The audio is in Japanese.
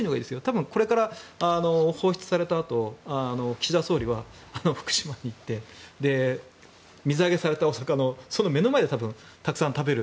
多分、これから放出されたあと岸田総理は福島に行って水揚げされたお魚をその目の前で多分たくさん食べる。